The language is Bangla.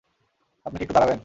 আপনি কি একটু দাঁড়াবেন?